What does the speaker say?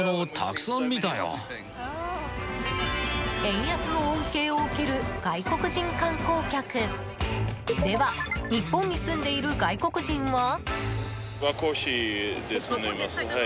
円安の恩恵を受ける外国人観光客。では日本に住んでいる外国人は？